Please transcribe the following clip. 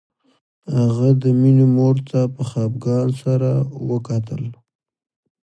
هغه د مينې مور ته په خپګان سره وکتل